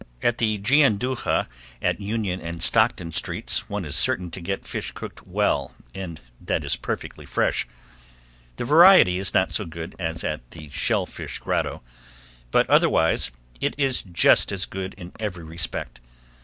At the Gianduja at Union and Stockton streets, one is certain to get fish cooked well and that it is perfectly fresh. The variety is not so good as at the Shell Fish Grotto, but otherwise it is just as good in every respect.